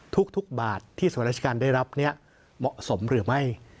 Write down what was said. ทุกบาทที่สวรรราชการได้รับนี้เหมาะสมหรือไม่